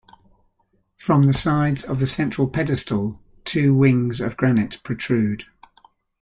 From the sides of the central pedestal, two wings of granite protrude.